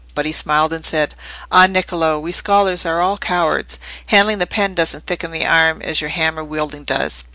But he smiled and said— "Ah, Niccolò, we scholars are all cowards. Handling the pen doesn't thicken the arm as your hammer wielding does.